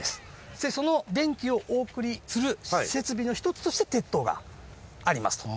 そしてその電気をお送りする設備の一つとして鉄塔がありますと。